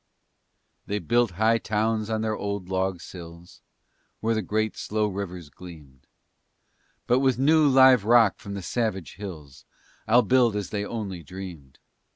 They built high towns on their old log sills, Where the great, slow rivers gleamed, But with new, live rock from the savage hills I'll build as they only dreamed.